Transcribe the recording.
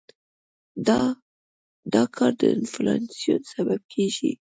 دا کار د انفلاسیون سبب کېږي.